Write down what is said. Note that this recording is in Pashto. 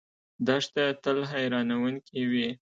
دښته تل حیرانونکې وي.